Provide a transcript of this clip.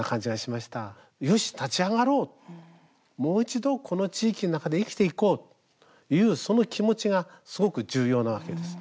よし、立ち上がろう、もう一度この地域の中で生きていこうという、その気持ちがすごく重要なわけです。